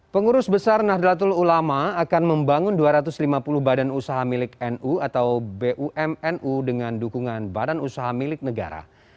pengurus besar nahdlatul ulama akan membangun dua ratus lima puluh badan usaha milik nu atau bumnu dengan dukungan badan usaha milik negara